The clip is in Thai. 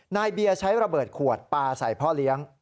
นายเบียร์ใช้ระเบิดขวดปลาใส่พ่อเลี้ยง